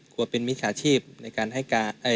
กลัวเป็นมิจฉาชีพในการให้การ